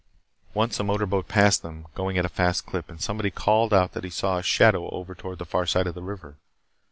Once a motor boat passed them, going at a fast clip, and somebody called out that he saw a shadow over toward the far side of the river.